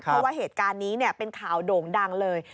เพราะว่าเหตุการณ์นี้เป็นข่าวโด่งดังเลย